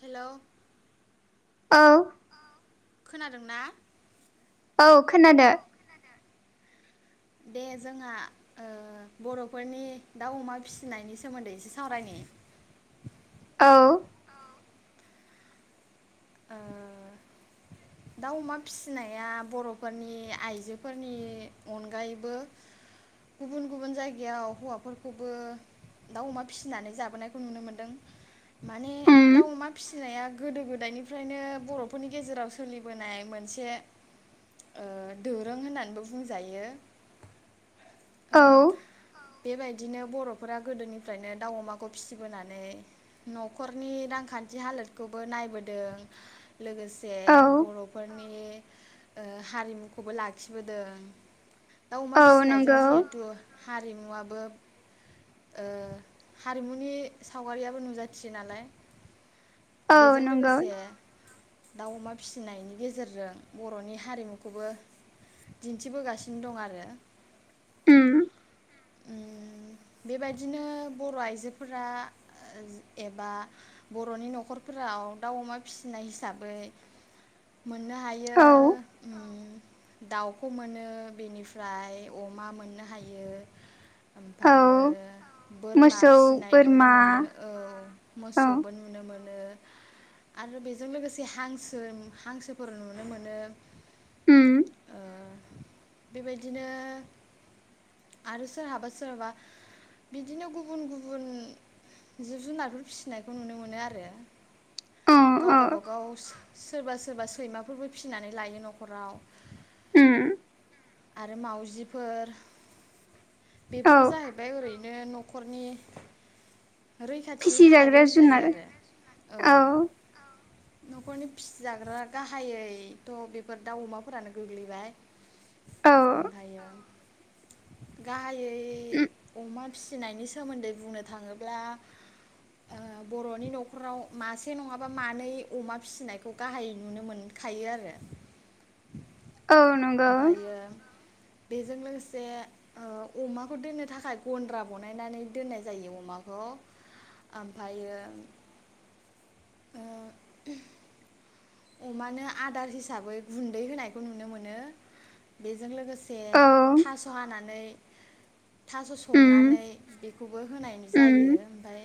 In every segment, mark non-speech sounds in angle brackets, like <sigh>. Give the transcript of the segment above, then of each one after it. Hello औ खोनादोंना? औ खोनादो। दे जोंहा ओ बर'फोरनि दाउ अमा फिसिनायनि सोमोन्दै एसे सावरायनि। औ ओ दाउ अमा फिसिनाया बर'फोरनि आइजोफोरनि अनगायैबो गुबुन गुबुन जायगायाव हौवाफोरखौबो दाउ अमा फिसिनानै जाबोनायखौ नुनो मोनदों माने दाउ अमा फिसिनाया गोदो गोदायनिफ्रायनो बर'फोरनि गेजेरावसो सोलिबोनाय मोनसे ओ दोरों होननानैबो बुंजायो। औ बेबायदिनो बरफोरा गोदोनिफ्रायनो दाउ अमाखौ फिसिबोनानै नखरनि रांखान्थि हालोदखौबो नायबोदों। लोगोसे बरफोरनि। ओ हारिमुखौबो लाखिबोदों। दाउ अमा फिसिनाय जों जिहेथु हारिमुवाबो ओ हारिमुनि सावगारियाबो नुजाथियो नालाय। बेजों लोगोसे दाउ अमा फिसिनायनि गेजेरजों बर'नि हारिमुखौबो दिन्थिबोगासिनो दं आरो। बेबायदिनो बर' आइजोफोरा एबा बर'नि न'खरफोराव दाउ अमा फिसिनाय हिसाबै मोननो हायो। दाउखौ मोनो बेनिफ्राय अमा मोननो हायो। ओमफ्रायो बोरमा फिसिनाय नुनो मोनो औ मोसौबो नुनो मोनो। आरो बेजों लोगोसे हांसो हांसोफोर नुनो मोनो। ओ बेबायदिनो आरो सोरहाबा सोरहाबा बिदिनो गुबुन गुबुन जिब जुनारफोर फिसिनायखौ नुनो मोनो आरो। गाव गाबागाव सोरबा सोरबा सैमाफोरबो फिसिनानै लायो न'खराव। उम आरो मावाउजिफोर बेफोरो जाहैबाय ओरै बिनो न'खरनि रैखाथिनि थाखायबो होनजायो आरो औ। न'खरनि फिसिजाग्रा गाहायैथ' बेफोर दाउ अमाफोरानो गोग्लैबाय। ओमफ्रायो गाहायै बे अमा फिसिनायनि सोमोन्दै बुंनो थाङोब्ला ओ बर'नि न'खराव मासे नङाबा मानै अमा फिसिनायखौ गाहाय नुनो मोनखायो आरो। औ नंगौ। बेजों लोगोसे ओ अमाखौ दोननो थाखाय गन्द्रा बनायनानै दोननाय जायो अमाखौ ओमफायो ओ अमानो आदार हिसाबै गुन्दै होनायखौ नुनो मोनो। बेजों लोगोसे से थास' हानानै थास' संनानै बेखौबो होनाय जायो ओमफाय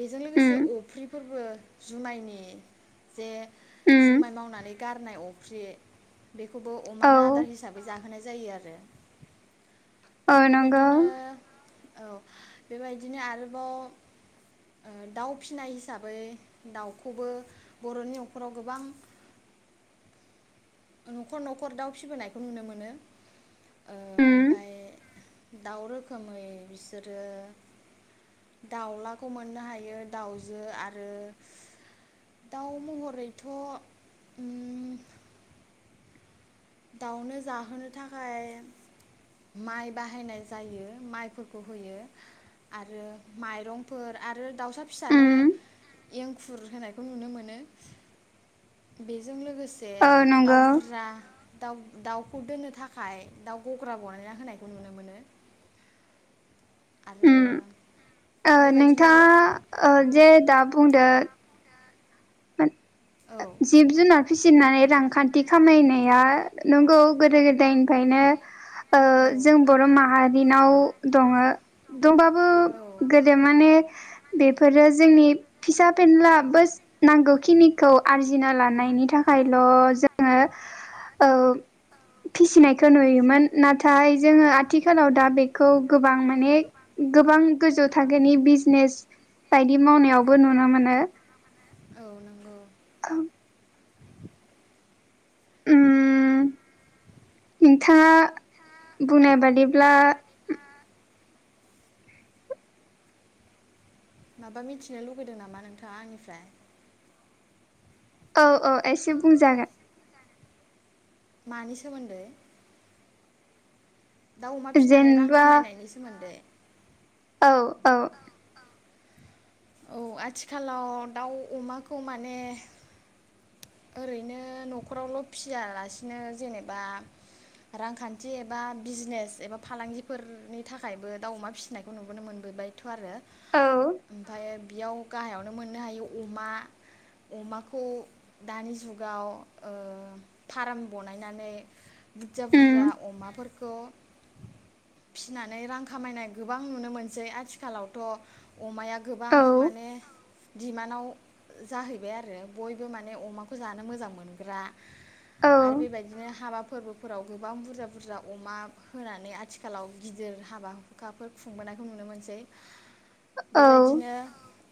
बेजों लोगोसे अफ्रिफोरबो जुमायनि जे जुमाय मावनानै गारनाय अफ्रि बेखौबो अमानो आदार हिसाबै जाहोनाय जायो आरो। बेबायदिनो औ बेबायदिनो आरोबाव ओ दाउ फिनाय हिसाबै दाउखौबो बरनि नखराव गोबां नखर नखर दाउ फिबोनायखौ नुनो मोनो ओ ओमफ्राय दाउ रोखोमै बिसोरो दाउलाखौ मोननो हायो दाउजो आरो दाउ महरैथ ओम दाउनो जाहोनो थाखाय माइ बाहायनाय जायो माइफोरखौ होयो आरो माइरंफोर आरो दाउसा फिसानो एंखुर होनायखौ नुनो मोनो बेजों लोगोसे से दाउ बुरजा दाउ दाउखौ दोननो थाखाय दाउ गग्रा बनायना होनायखौ नुनो मोनो उम ओ नोंथाङा ओ जे दा बुंदो <unintelligible> जिब जुनार फिसिनाय रांखानथि खामायनाया नंगौ गोदो गोदायनिफ्रायनो ओ जों बर माहारिनाव दङो दंबाबो गोदो माने बेफोरो जोंनि फिसा फेनला बस नांगौखिनिखौ आरजिना लानायनि थाखायल जोङो ओ फिसिनायखौ नुयोमोन नाथाय जोङो आथिखालाव दा बेखौ गोबां माने गोबां गोजौ थाखोनि बिजनेस बायदि मावनायावबो नुनो मोनो औ नंगौ ओ़ उम नोंथाङा बुंनाय बादिब्ला माबा मिथिनो लुबैदों नामा नोंथाङा आंनिफ्राय औ औ एसे बुंजागोन मानि सोमोन्दै दाउ अमा फिसिनानै रां खामायनायनि सोमोन्दै औ औ औ आथिखालाव दाउ अमाखौ माने ओरैनो नखरावल फियालासिनो जेनेबा रांखान्थि एबा बिजनेस एबा फालांगिफोरनि थाखायबो दाउ अमा फिसिनायखौ नुबोनो मोनबोबायथ आरो <unintelligible> बेयाव गाहायावनो मोननो हायो अमा अमाखौ दानि जुगाव ओ फार्म बनायनानै बुरजा बुरजा अमाफोरखौ फिनानै रां खामायनाय गोबां नुनो मोनसै आथिखालावथ' अमाया गोबां माने दिडमान्डआव जाहैबाय आरो बयबो माने माने अमाखौ जानो मोजां मोनग्रा आरो बेबायदिनो हाबाफो फोरबोफोराव गोबां बुरजा बुरजा अमा होनानै आथिखालाव गिदिर हाबा हुखाफोर खुंबोनायखौ नुनो मोनसै बेबायदिनो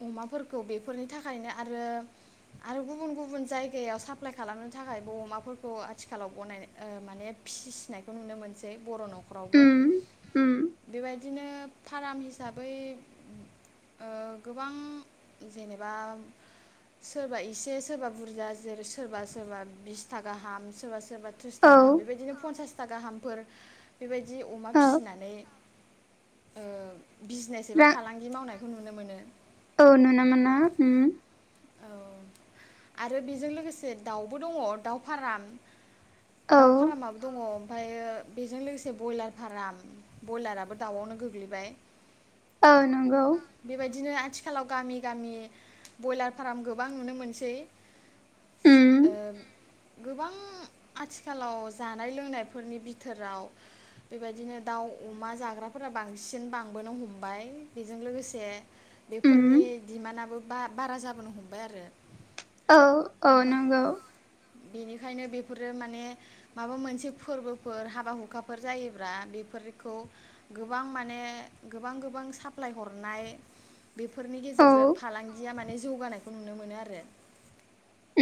अमाफोरखौ बेफोरनि थाखायनो आरो गुबुन गुबुन गुबुन जायगायाव साफ्लाय खालामनो थाखायबो अमाफोरखौ आथिखालाव बनायनाय ओ माने फिसिनायखौ नुनो मोनसै बर' नखर नखरावबो बेबायदि बिदिनो फाराम हिसाबै ओ गोबां जेनेबा सोरबा एसे सोरबा बुरजा जेरै सोरबा सोरबा बिस था गाहाम सोरबा सोरबा सोरबा थ्रिसथा गाहाम बेबायदिनो फनसास था गाहामफोर बेबायदि दि अमा फिसिनानै ओ बिजनेस एबा फालांगि मावनाय। खौ नुनो मोनो औ नुना मोना ओम औ आरो बेजों लोगोसे दाउबो दङ दाउ फाराम दाउ फारामाबो दङ ओमफायो बेजों लोगोसे बयलार फाराम बयलाराबो दाउ आवनो गोग्लैबाय औ नोंगौ आथिखालाव गामि गामि बयलार फाराम गोबां नुनो मोनसै ओ गोबां आथिखालाव जानाय लोंनायफोरनि बिथोराव बेबायदिनो दाउ अमा जाग्राफोरा बांसिन बांबोनो हमबाय बेजों लोगोसे बेफोरनि डिमानआबो बा-बारा जाब बोनो हमबाय आरो औ औ नंगौ। बेनिखायनो बेफोरो माने माबा मोनसे फोरबोफोर हाबा हुखाफोर जायोब्रा बेफोरखौ गोबां माने गोबां गोबां साप्लाय हरनाय बेफोरनि गेजेरजों फालांगिया मान जौगानायखौ नुनो मोनो आरो।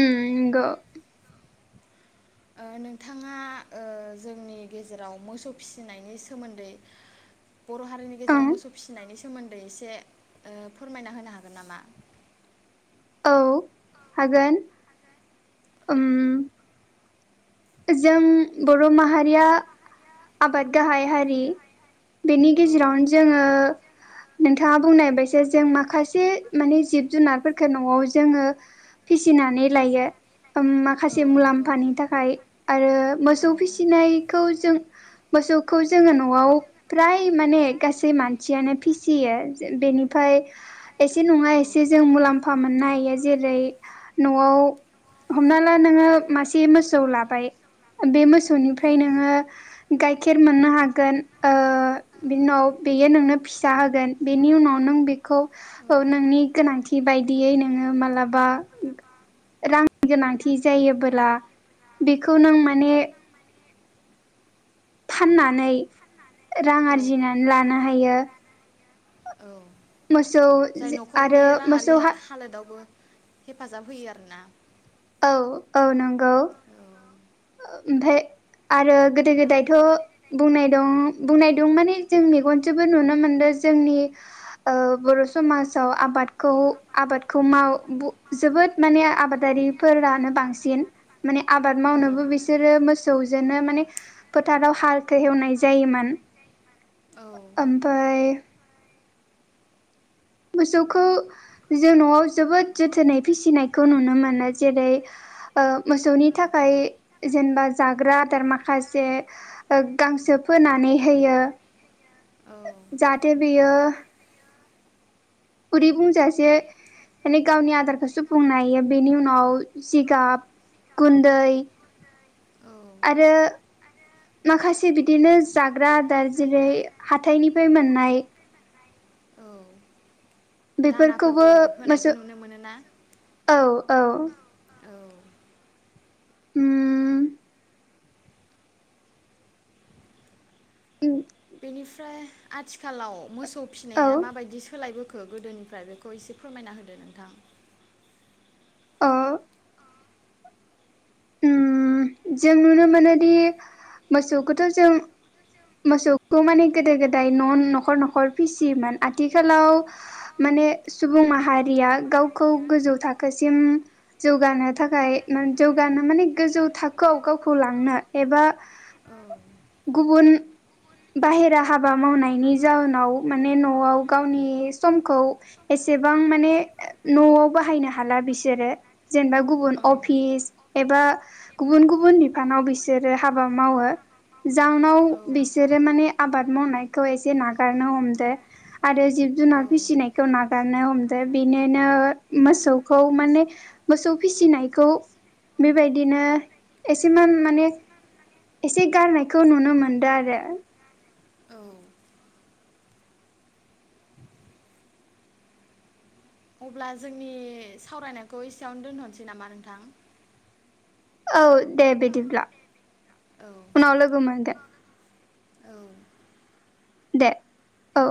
उम नग ओ नोंथाङा ओ जोंनि गेजेराव मोसौ फिनायनि सोमोन्दै बर हारिनि गेजेराव मोसौ फिसिनायनि सोमोन्दै एसे ओ फोरमायना होनो हागोन नामा औ हागोन। ओम जोम बर' माहारिया आबाद गाहाय हारि। बेनि गेजेरावनो जोङो नोंथाङा बुंनाय बायसा जों माखासे माने जिब जुनारफोरफोरखो नआव जोङो फिसि सिनानै लायो ओम माखासे मुलाम्फानि थाखाय आरो मोसौ फिसिनायखौ जों मोसौखौ जोङो नआव फ्राय माने गासै मानसियानो फिसियो जे बेनिफ्राय एसे नङा एसे जों मुलाम्फा मोननो हायो जेरै नआव हमना ला नोङो मासे मोसौ लाबाय बे मोसौ ओनिफ्राय नोङो गाइखेर मोननो हागोन ओ बिनि उनाव बेयो नोंनो फिसा होगोन बेनि उनाव नों बेखौ औ नोंनि गोनांथि बायदियै नोङो मालाबा रां गोनांथि जायोबोला बेखौ नों माने फान्ना नै रां आरजिनानै लानो हायो मोसौ जे आरो मोसौ हा हेफाजाब होयो आरोना औ औ नं <unintelligible> ओमफाय आरो गोदो गोदायथ बुंनाय दं बुंनाय दं माने जों मेगनजोबो नुनो मोनदों जोंनि ओ बर समाजाव आबादखौ आबादखौ माव बु जोबोद माने आबादारिफोरानो बांसिन माने आबाद मावनोबो बिसोरो मोसौजोनो माने फोथाराव हालखौ हेवनाय जायोमोन ओमफाय मोसौखौ जों नआव जोबोद जोथोनै फिसिनायखौ नुनो मोनो जेरै ओ मोसौनि थाखाय जेनेबा जाग्रा आदार माखासे गांसो फोनानै होयो जाहाथे बेयो उदै बुंजासे माने गावनि आदारखौ सुफुंनो हायो बेनि उनाव जिगाब गुन्दै आरो माखासे बिदिनो जाग्रा आदार जेरै हाथाइनिफ्राय मोननाय। औ दानाफोरबो होनायखौ नुनो मोनोना? औ औ। उम उम बेनिफ्राय आथिखालाव मोसौ सौ फिनाया माबायदि सोलायबोखो? खो गोदोनिफ्राय बेखौ एसे फोरमायना होदो नोंथां। औ जों नुनो मोनोदि मोसौखौथ जों मोसौखौ माने गोदो गोदाय न नखर नखर फिसियोमोन आथिखालाव माने सुबुं माहारिया गावखौ गोजौ थाखोसिम जौगानो थाखाय जौगानो माने गोजौ थाख गाव गावखौ लांनो एबा गुबुन बाहेरा हाबा मावनायनि जााहोनाव माने नआव गावनि समखौ एसेबां माने नआव बाहायनो हाला बिसोरो। जेनेबा गुबुन अफिस एबा गुबुन गुबुन बिफानाव बिसोरो हाबा मावो। जाउनाव बिसोरो माने आबाद मावनायखौ एसे नागारनो हमदो आरो जिब जुनार फिसिनायखौ नागार नाय हमदो बिनिनो मोसौखौ माने मोसौ फिसिनायखौ बेबायदिनो एसे माने एसे गारनायखौ खौ नुनो मोनदो आरो। औ अब्ला जोंनि सावरायनायखौ एसेयावनो दोनथनोसै नामा नोंथां। औ दे बिदिब्ला उनाव लोगो मोनगोन। <inaudible> दे औ।